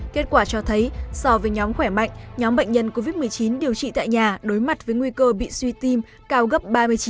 kết quả cho thấy so với nhóm khỏe mạnh nhóm bệnh nhân covid một mươi chín điều trị tại nhà đối mặt với nguy cơ bị suy tim cao gấp ba mươi chín